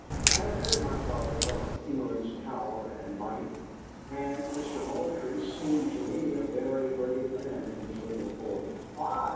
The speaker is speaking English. I had heard my father talk of England's power and might, and Mister Moultrie seemed to me a very brave man in his little fort. "Why!"